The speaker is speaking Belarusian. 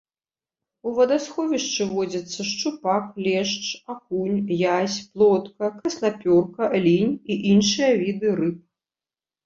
У вадасховішчы водзяцца шчупак, лешч, акунь, язь, плотка, краснапёрка, лінь і іншыя віды рыб.